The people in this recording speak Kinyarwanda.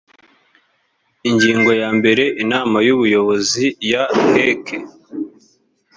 ingingo ya mbere inama y’ubuyobozi ya hec